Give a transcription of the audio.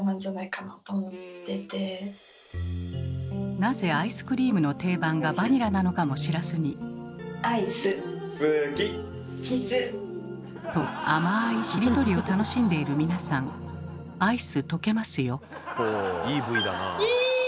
なぜアイスクリームの定番がバニラなのかも知らずに。と甘いしりとりを楽しんでいる皆さんアイス溶けますよ。